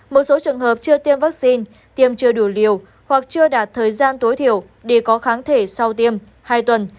một số trường hợp chưa tiêm vaccine tiêm chưa đủ liều hoặc chưa đạt thời gian tối thiểu để có kháng thể sau tiêm hai tuần